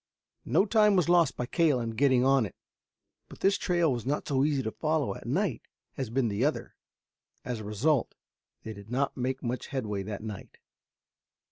No time was lost by Cale in getting on it, but this trail was not so easy to follow at night as had been the other. As a result they did not make much headway that night.